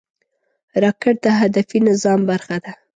راکټ د هدفي نظام برخه ده